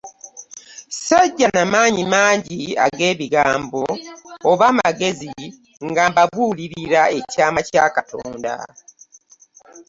Ssajja na maanyi mangi ag'ebigambo oba amagezi nga mbabuulira ekyama kya Katonda.